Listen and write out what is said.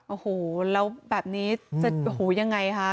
โอ้โหแล้วแบบนี้จะโอ้โหยังไงคะ